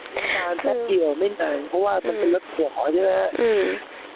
โรงพยาบาลแป๊บเดี่ยวไม่นานเพราะว่ามันเป็นรถหัวใช่ไหมอืม